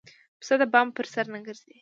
پسه د بام پر سر نه ګرځي.